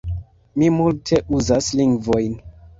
Mi multe uzas lingvojn.